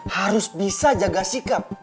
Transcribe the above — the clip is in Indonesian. harus bisa jaga sikap